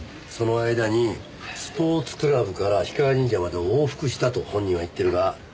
その間にスポーツクラブから氷川神社までを往復したと本人は言ってるが。